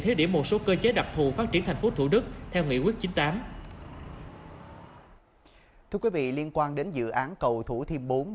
thiết địa một số cơ chế đặc thù phát triển thành phố thủ đức theo nghị quyết chín mươi tám